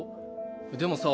でもさあ